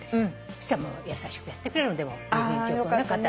そしたら優しくやってくれるの郵便局の方。